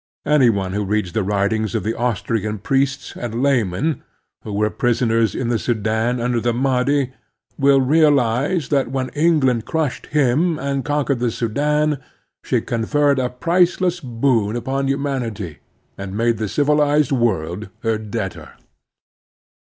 Any one who reads the writings of the Austrian priests and laymen who were prisoners in the Sudan under the Mahdi will realize that when England crushed him and conquered the Sudan she conferred a priceless boon upon htmianity and made the civilized world her debtor.